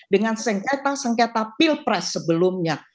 dengan sengketa sengketa pilpres sebelumnya